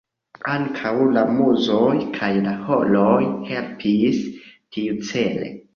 Ankaŭ la muzoj kaj la horoj helpis tiucele.